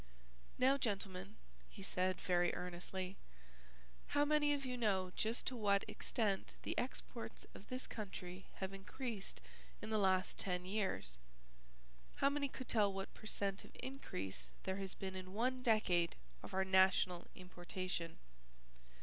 "Now, gentlemen," he said very earnestly, "how many of you know just to what extent the exports of this country have increased in the last ten years? How many could tell what per cent. of increase there has been in one decade of our national importation?"